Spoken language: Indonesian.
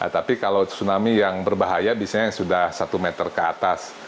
tapi kalau tsunami yang berbahaya biasanya yang sudah satu meter ke atas